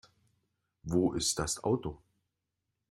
Wo ist das Auto?